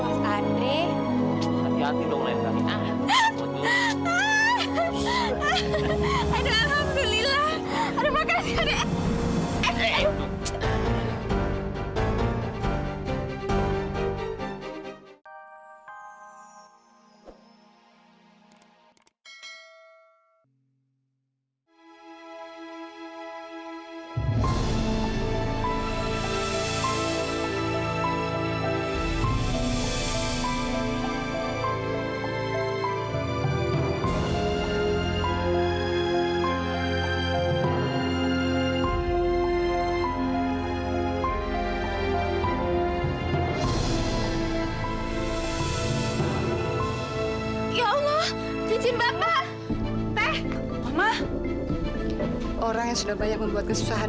sampai jumpa di video selanjutnya